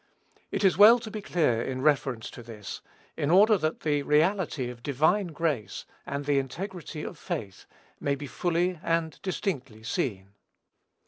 It is well to be clear in reference to this, in order that the reality of divine grace, and the integrity of faith, may be fully and distinctly seen.